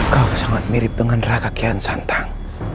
kau sangat mirip dengan raka kian santang